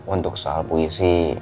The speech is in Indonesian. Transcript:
untuk soal puisi